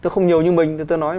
không nhiều như mình